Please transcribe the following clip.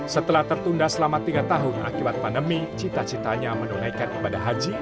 setelah tertunda selama tiga tahun akibat pandemi cita citanya menunaikan ibadah haji